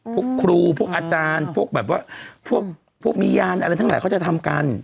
พวกครูพวกอาจารย์พวกแบบว่าพวกมียานอะไรทั้งหลายเขาจะทำกัน